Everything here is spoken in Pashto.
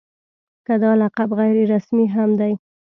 که دا لقب غیر رسمي هم دی.